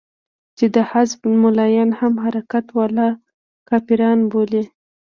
چې د حزب ملايان هم حرکت والا کافران بولي.